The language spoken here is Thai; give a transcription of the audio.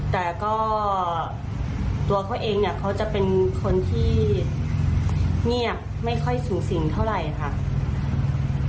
แต่ก็ตัวเขาเองเนี่ยเขาจะเป็นคนที่เงียบไม่ค่อยสูงสิงเท่าไหร่ค่ะ